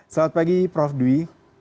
selamat pagi prof dwi